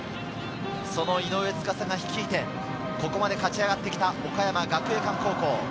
井上斗嵩が率いて、ここまで勝ち上がってきた岡山学芸館高校。